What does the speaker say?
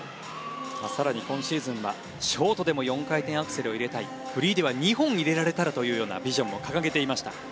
更に今シーズンはショートでも４回転アクセルを入れたいフリーでは２本入れられたらというようなビジョンも掲げていました。